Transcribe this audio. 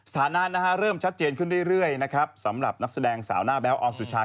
ฐานะนะฮะเริ่มชัดเจนขึ้นเรื่อยนะครับสำหรับนักแสดงสาวหน้าแบ๊วออมสุชา